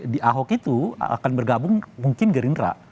di ahok itu akan bergabung mungkin gerindra